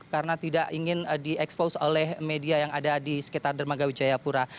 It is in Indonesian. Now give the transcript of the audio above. karena tidak ingin diekspos oleh media yang ada di sekitar dermagawi jayapura